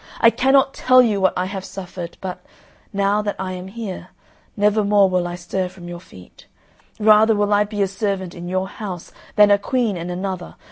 I cannot tell you what I have suffered, but, now that I am here, never more will I stir from your feet. Rather will I be a servant in your house than a queen in another.